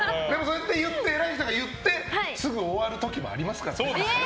偉い人が言ってすぐ終わる時もありますから。